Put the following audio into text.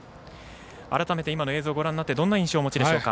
改めて今の映像をご覧になりどんな印象をお持ちですか。